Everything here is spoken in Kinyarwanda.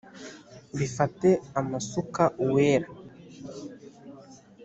Bifate amasuka Uwera